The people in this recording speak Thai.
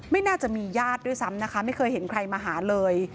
ไม่น่าจะมีญาติด้วยซ้ำนะคะไม่เคยเห็นใครมาหาเลย